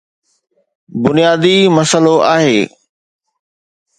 بنيادي مسئلو آهي.